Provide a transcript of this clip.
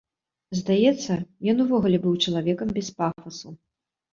Здаецца, ён увогуле быў чалавекам без пафасу.